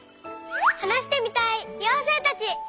はなしてみたいようせいたち！